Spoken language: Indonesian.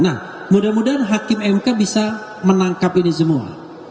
nah mudah mudahan hakim mk bisa menangkap ini semua